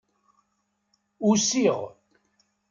Usiɣ.